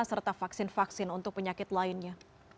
serta vaksin vaksin untuk penyakit lainnya